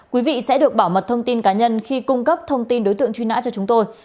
quý vị sẽ được bảo mật thông tin cá nhân khi cung cấp thông tin đối tượng truy nã cho chúng tôi